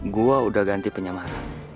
gue udah ganti penyamaran